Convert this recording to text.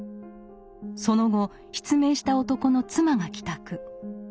その後失明した男の妻が帰宅。